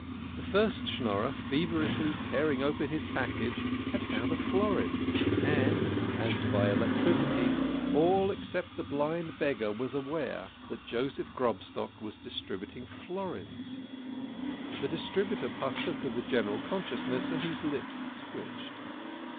The first Schnorrer, feverishly tear ing open his package, had found a florin, and, as by elec tricity, all except the blind beggar were aware that Joseph Grobstock was distributing florins. The distributor par took of the general consciousness, and his lips twitched.